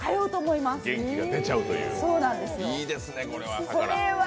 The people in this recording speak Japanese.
いいですね、これは。